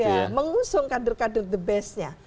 iya mengusung kader kader the bestnya